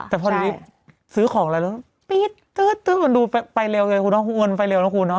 แต่พอดีซื้อของเลยแล้ว